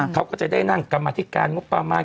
เขาก็จะได้นั่งกรรมธิการงบประมาณ